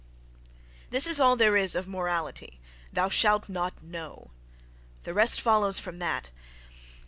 This is all there is of morality.—"Thou shall not know":—the rest follows from that.